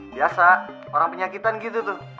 biasa orang penyakitan gitu tuh